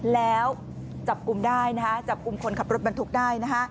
แล้วจับกุมได้จับกุมคนขับรถบันทุกข์ได้